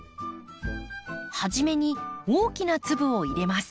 はじめに大きな粒を入れます。